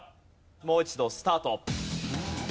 もう一度スタート。